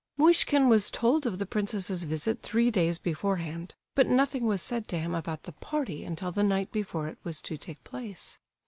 Muishkin was told of the princess's visit three days beforehand, but nothing was said to him about the party until the night before it was to take place.